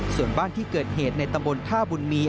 ส่วนบ้านที่เกิดเหตุในตำบลท่าบุญมี